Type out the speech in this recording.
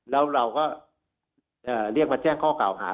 แล้วเราก็เรียกมาแจ้งข้อกล่าวหา